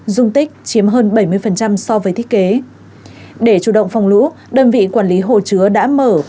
dung tích chiếm hơn bảy mươi so với thiết kế để chủ động phòng lũ đơn vị quản lý hồ chứa đã mở